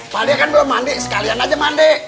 pak dia kan belum mandi sekalian aja mandi